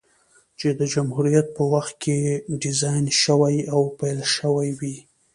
چې د جمهوريت په وخت کې ډيزاين شوې او پېل شوې وې،